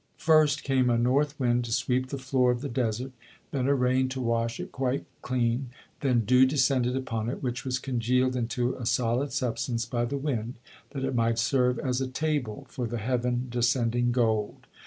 First came a north wind to sweep the floor of the desert; then a rain to wash it quite clean; then dew descended upon it, which was congealed into a solid substance by the wind, that it might serve as a table for the heaven descending gold.